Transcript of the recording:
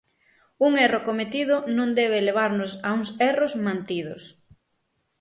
Un erro cometido non debe levarnos a uns erros mantidos.